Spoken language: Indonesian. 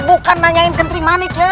bukan nanya kenting manik ya